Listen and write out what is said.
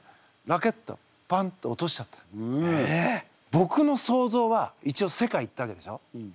ぼくの想像は一応世界行ったわけでしょ？